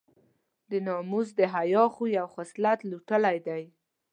د ناموس د حیا خوی او خصلت لوټلی دی.